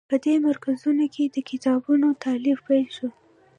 په دې مرکزونو کې د کتابونو تألیف پیل شو.